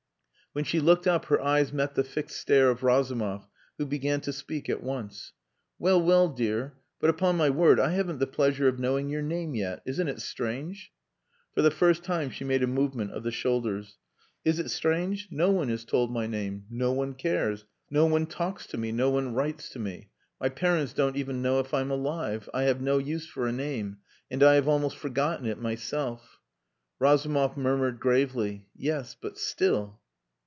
When she looked up her eyes met the fixed stare of Razumov, who began to speak at once. "Well, well, dear...but upon my word, I haven't the pleasure of knowing your name yet. Isn't it strange?" For the first time she made a movement of the shoulders. "Is it strange? No one is told my name. No one cares. No one talks to me, no one writes to me. My parents don't even know if I'm alive. I have no use for a name, and I have almost forgotten it myself." Razumov murmured gravely, "Yes, but still..."